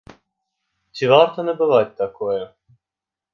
Ці варта набываць такое?